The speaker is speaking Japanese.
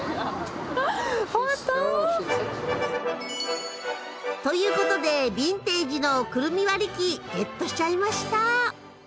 ホント？という事でビンテージのくるみ割り器ゲットしちゃいました。